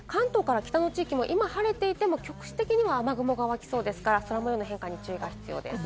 関東から北の地域、今、晴れていても局地的には雨雲が湧きそうですから、空模様に警戒が必要です。